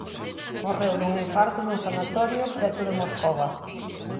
Morreu dun infarto nun sanatorio preto de Moscova.